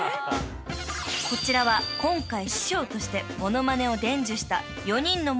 ［こちらは今回師匠としてモノマネを伝授した］